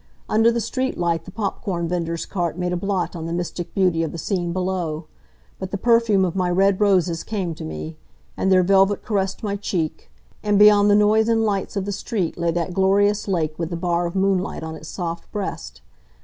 Under the street light the popcorn vender's cart made a blot on the mystic beauty of the scene below. But the perfume of my red roses came to me, and their velvet caressed my check, and beyond the noise and lights of the street lay that glorious lake with the bar of moonlight on its soft breast.